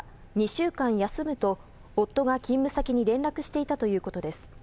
２週間休むと夫が勤務先に連絡していたということです。